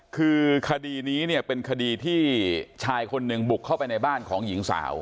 คือคดีนี้เนี่ยเป็นคดีที่ชายคนหนึ่งบุกเข้าไปในบ้านของหญิงสาว